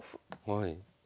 はい。